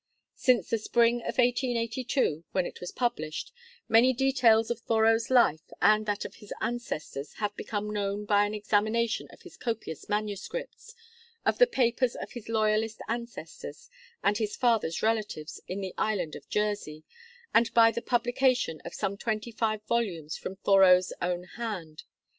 Since the spring of 1882, when it was published, many details of Thoreau's life and that of his ancestors have become known by an examination of his copious manuscripts, of the papers of his Loyalist ancestors, and his father's relatives in the island of Jersey; and by the publication of some twenty five volumes from Thoreau's own hand.